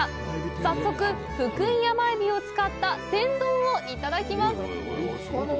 早速、ふくい甘えびを使った天丼をいただきます。